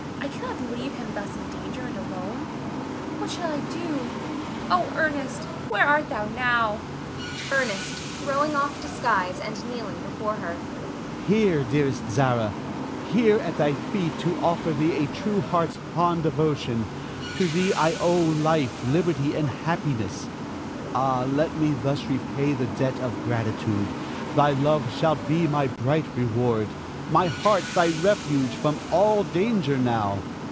I cannot leave him thus in danger, and alone. What shall I do? Oh, Ernest, where art thou now? Ernest [throwing off disguise, and kneeling before her]. Here, dearest Zara! here at thy feet, to offer thee a true heart's fond devotion. To thee I owe life, liberty, and happiness. Ah, let me thus repay the debt of gratitude. Thy love shalt be my bright reward; my heart thy refuge from all danger now.